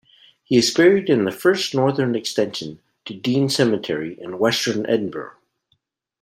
He is buried in the first northern extension to Dean Cemetery in western Edinburgh.